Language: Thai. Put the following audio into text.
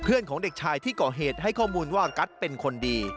ของเด็กชายที่ก่อเหตุให้ข้อมูลว่ากัสเป็นคนดี